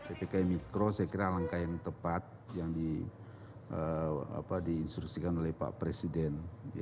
ppkm mikro saya kira langkah yang tepat yang diinstruksikan oleh pak presiden